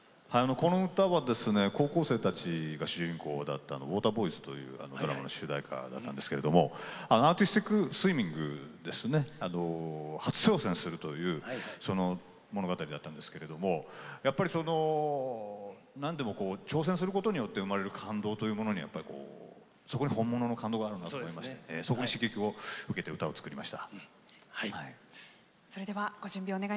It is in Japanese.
この歌は、高校生たちが主人公だった「ＷＡＴＥＲＢＯＹＳ」というドラマの主題歌なんですけどもアーティスティックスイミングに初挑戦するという物語だったんですけどやっぱりなんでも挑戦することによって生まれる感動というものにそこに本物の感動があるんだなとそこに刺激を受けて歌を作りました。